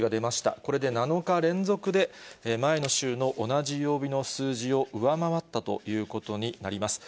これで７日連続で前の週の同じ曜日の数字を上回ったということになります。